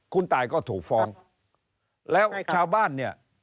คุณตายก็ถูกฟ้องแล้วชาวบ้านเนี่ย